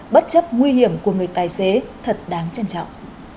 bất chấp nguy hiểm của người tài xế thật đáng trân trọng